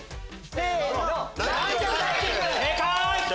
せの。